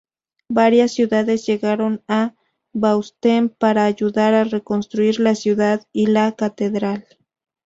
Varias ciudades llegaron a Bautzen para ayudar a reconstruir la ciudad y la Catedral.